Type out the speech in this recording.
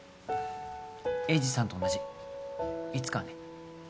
栄治さんと同じいつかね